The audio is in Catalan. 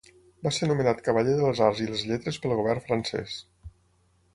Va ser nomenat cavaller de les Arts i les Lletres pel govern francès.